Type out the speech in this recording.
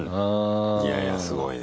いやいやすごいね。